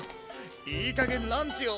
いいかげんランチを。